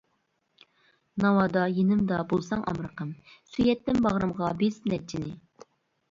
ناۋادا يېنىمدا بولساڭ ئامرىقىم، سۆيەتتىم باغرىمغا بېسىپ نەچچىنى.